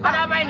ada apa ini